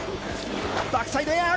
バックサイドエア。